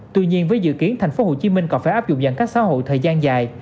tuy nhiên với dự kiến tp hcm còn phải áp dụng giãn cách xã hội thời gian dài